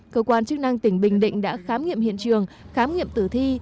cơ quan chức năng tỉnh bình định đã khám nghiệm hiện trường khám nghiệm tử thi